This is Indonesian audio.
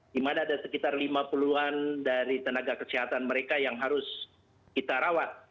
di mana ada sekitar lima puluh an dari tenaga kesehatan mereka yang harus kita rawat